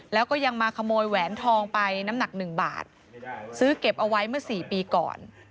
แล้วก็ยังมาขโมยแหวนทองไปน้ำหนัก๑บาทซื้อเก็บเอาไว้เมื่อสี่ปีก่อน